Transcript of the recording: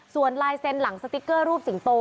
ส่วนลายเซ็นต์หลังสติ๊กเกอร์รูปสิงโต